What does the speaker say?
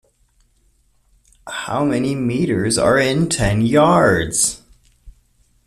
How many meters are in ten yards?